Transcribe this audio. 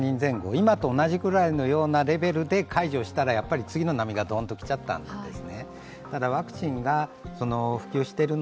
今と同じようなレベルで解除したらやっぱり次の波がドンと来ちゃったんですね。